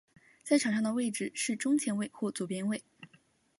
在场上的位置是中前卫或左边锋。